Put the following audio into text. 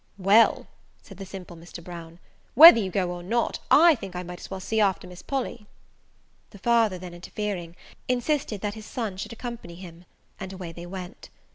"Well," said the simple Mr. Brown, "whether you go or not, I think I may as well see after Miss Polly." The father then interfering, insisted that his son should accompany him; and away they went.